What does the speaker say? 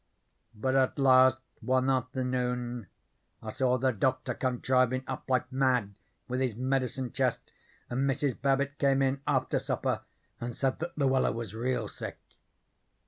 "But at last one afternoon I saw the Doctor come drivin' up like mad with his medicine chest, and Mrs. Babbit came in after supper and said that Luella was real sick.